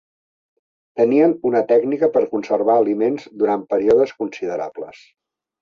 Tenien una tècnica per conservar aliments durant períodes considerables.